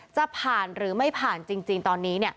จะผ่านหรือไม่ผ่านจริงตอนนี้